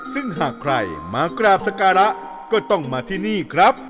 ซึ่งหากใครมากราบสการะก็ต้องมาที่นี่ครับ